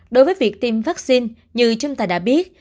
đối với việc tiêm vaccine như chúng ta đã biết